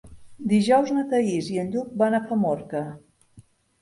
Dijous na Thaís i en Lluc van a Famorca.